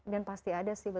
dan pasti ada sih betul